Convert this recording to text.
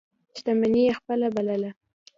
شتمني یې خپله بلله.